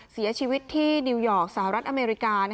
เสียชีวิตที่นิวยอร์กสหรัฐอเมริกา